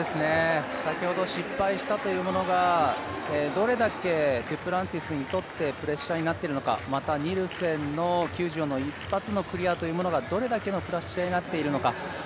先ほど失敗したというものがどれだけデュプランティスにとってプレッシャーになっているのか、またニルセンの９４の一発のクリアがどれだけのプレッシャーになっているのか。